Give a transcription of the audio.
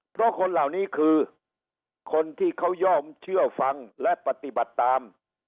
เพราะคนเหล่านี้คือคนที่เขาย่อมเชื่อฟังและปฏิบัติตาม